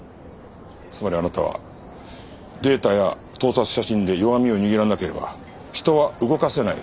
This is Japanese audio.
つまりあなたはデータや盗撮写真で弱みを握らなければ人は動かせない。